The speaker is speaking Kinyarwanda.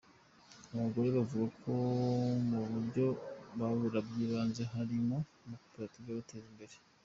Abo bagore bavuga ko mu byo babura by’ibanze harimo amakoperative abateza imbere.